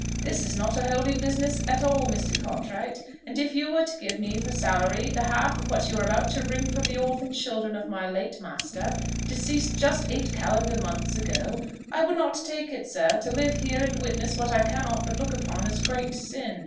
This is not a holy business at all, Mr. Cartwright; and if you were to give me for salary the half of what you are about to wring from the orphan children of my late master, (deceased just eight calendar months ago,) I would not take it, sir, to live here and witness what I cannot but look upon as great sin."